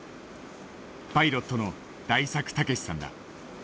パイロットの大作毅さんだ。